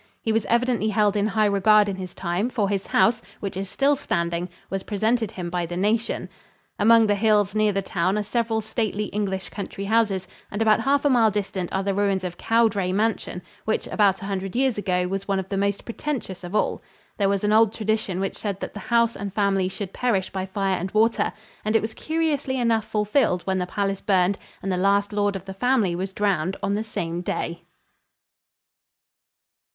He was evidently held in high regard in his time, for his house, which is still standing, was presented him by the nation. Among the hills near the town are several stately English country houses, and about half a mile distant are the ruins of Cowdray mansion, which about a hundred years ago was one of the most pretentious of all. There was an old tradition which said that the house and family should perish by fire and water, and it was curiously enough fulfilled when the palace burned and the last lord of the family was drowned on the same day.